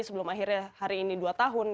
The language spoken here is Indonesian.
sebelum akhirnya hari ini dua tahun